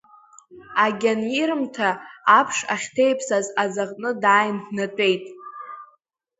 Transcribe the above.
Агьанирымҭа, аԥш ахьҭеиԥсаз аӡаҟны дааин днатәеит.